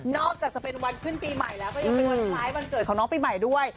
อกจากจะเป็นวันขึ้นปีใหม่แล้วก็ยังเป็นวันคล้ายวันเกิดของน้องปีใหม่ด้วย